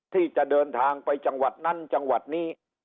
ที่จะเดินทางไปจังหวัดนั้นจังหวัดนี้